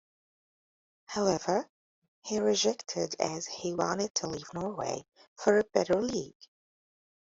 However, he rejected as he wanted to leave Norway for a better league.